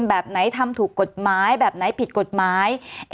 แบบไหนทำถูกกฎหมายแบบไหนผิดกฎหมาย